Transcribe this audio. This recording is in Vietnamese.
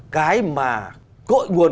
cái mà cội nguồn